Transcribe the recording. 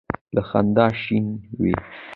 له خندا شین وي.